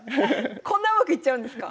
こんなうまくいっちゃうんですか？